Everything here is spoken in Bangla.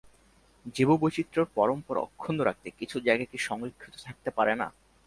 জীববৈচিত্র্যের পরম্পরা অক্ষুণ্ন রাখতে কিছু জায়গা কি সংরক্ষিত থাকতে পারে না?